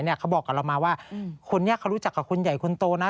เขาบอกกับเรามาว่าคนนี้เขารู้จักกับคนใหญ่คนโตนะ